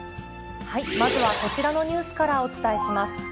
まずはこちらのニュースからお伝えします。